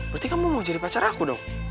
berarti kamu mau jadi pacar aku dong